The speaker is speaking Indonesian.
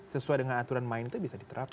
sesuai dengan aturan main itu bisa diterapkan